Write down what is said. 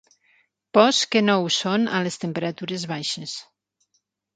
Pors que no ho són a les temperatures baixes.